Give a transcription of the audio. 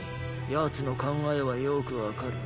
奴の考えはよく分かる。